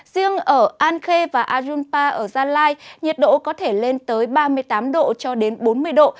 riêng ở an khê và arunpa ở gia lai nhiệt độ có thể lên tới ba mươi tám độ cho đến bốn mươi độ